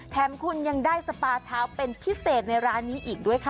แถมคุณยังได้สปาเท้าเป็นพิเศษในร้านนี้อีกด้วยค่ะ